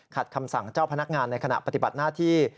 คำสั่งเจ้าพนักงานในขณะปฏิบัติหน้าที่